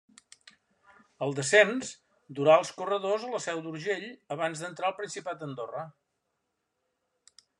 El descens durà els corredors a la Seu d'Urgell abans d'entrar al Principat d'Andorra.